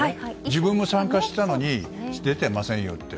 自分も参加していたのに出ていませんよって。